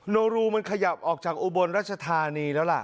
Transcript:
โนรูมันขยับออกจากอุบลรัชธานีแล้วล่ะ